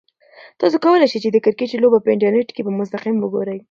تاسو کولای شئ چې د کرکټ لوبه په انټرنیټ کې په مستقیم وګورئ.